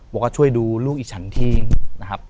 ว่าก็ช่วยดูลูกอีฉันทีนะครับ